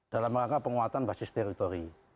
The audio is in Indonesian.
dalam rangka penguatan basis teritori